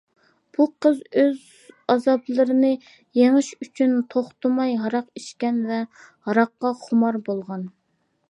بۇ قىز ئۆز ئازابلىرىنى يېڭىش ئۈچۈن توختىماي ھاراق ئىچكەن ۋە ھاراققا خۇمار بولغان.